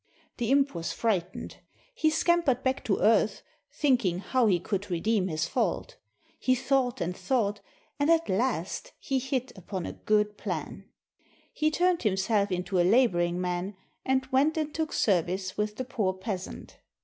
The imp was frightened. He scampered back to earth, thinking how he could redeem his fault. He thought and thought, and at last he hit upon a good plan. He turned himself into a laboring man, and went and took service with the poor peasant.